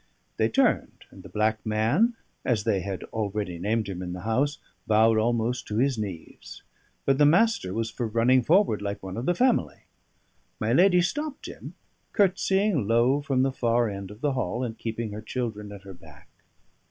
They turned; and the black man (as they had already named him in the house) bowed almost to his knees, but the Master was for running forward like one of the family. My lady stopped him, curtsying low from the far end of the hall, and keeping her children at her back.